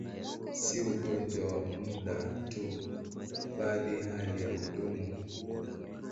Si ugonjwa wa muda tu, bali hali ya kudumu.